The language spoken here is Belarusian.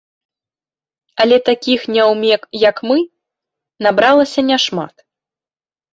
Але такіх няўмек, як мы, набралася няшмат.